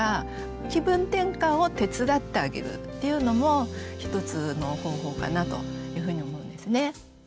気分転換を手伝ってあげるっていうのも一つの方法かなというふうに思うんですね。